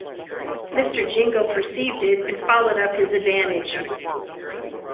Mr. Jingle perceived it, and followed up his advantage.